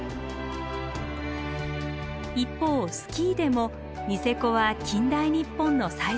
一方スキーでもニセコは近代日本の最先端でした。